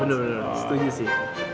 benar benar setuju sih